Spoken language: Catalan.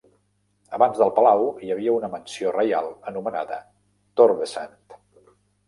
Abans del palau hi havia una mansió reial anomenada "Torvesund".